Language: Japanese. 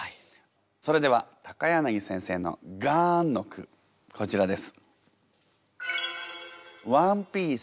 それでは柳先生の「ガーン」の句こちらです。